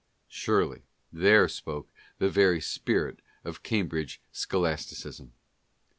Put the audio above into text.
Surely, there spoke the very spirit of Cambridge scholasticism.